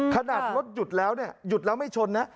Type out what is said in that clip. ขนาดรถหยุดแล้วเนี่ยหยุดแล้วไม่ชนนะ